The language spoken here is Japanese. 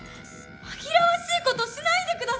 紛らわしいことしないでください。